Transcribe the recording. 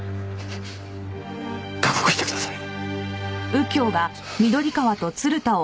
覚悟してください。